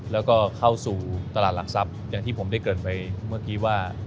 แล้วก็เข้าสู่ตลาดหลักทรัพย์อย่างที่ผมได้เกิดไปเมื่อกี้ว่า